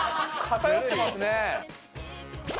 偏ってますね。